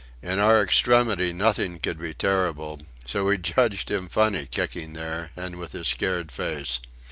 In our extremity nothing could be terrible; so we judged him funny kicking there, and with his scared face.